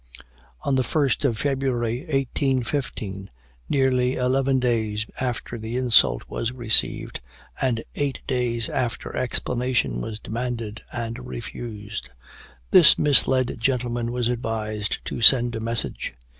On the 1st of February, 1815, nearly eleven days after the insult was received, and eight days after explanation was demanded and refused, this misled gentleman was advised to send a message.